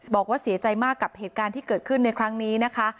บอกว่าเสียใจมากกับเหตุการณ์ที่เกิดขึ้นในครั้งนี้นะคะ